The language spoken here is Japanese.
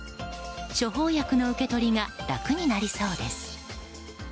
処方薬の受け取りが楽になりそうです。